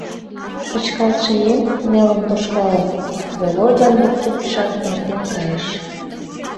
Кычкалтше еҥ, нелын тошкалын, Володян воктечшак эртен кайыш.